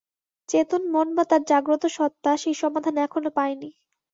চেতন মন বা তার জাগ্রত সত্তা সেই সমাধান এখনো পায় নি।